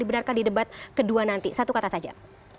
dibenarkan di debat kedua nanti satu kata saja